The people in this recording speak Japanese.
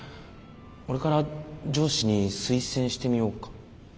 俺から上司に推薦してみようか。